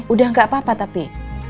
udah gak apa apa tapi